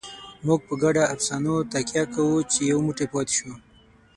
موږ په ګډو افسانو تکیه کوو، چې یو موټی پاتې شو.